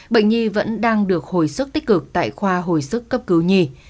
bệnh nhi vẫn đang được hồi sức tích cực tại khoa hồi sức cấp cứu nhi